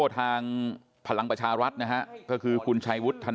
ท่านต้องเลือกพัก